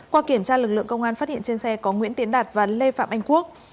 qua kiểm tra lực lượng công an phát hiện trên xe có nguyễn tiến đạt và lê phạm anh quốc